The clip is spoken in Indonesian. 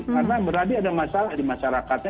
karena berarti ada masalah di masyarakat